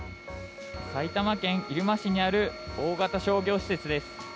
埼玉県入間市にある、大型商業施設です。